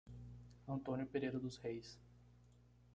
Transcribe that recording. Antônio Pereira dos Reis